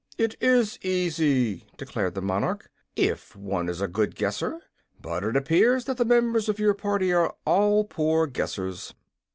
"It IS easy," declared the monarch, "if one is a good guesser. But it appears that the members of your party are all poor guessers."